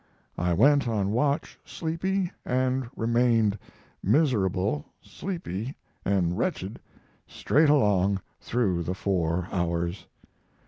I went on watch sleepy and remained miserable, sleepy, and wretched, straight along through the four hours.